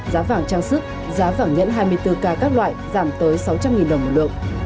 giá vàng trang sức giá vàng nhẫn hai mươi bốn k các loại giảm tới sáu trăm linh đồng một lượng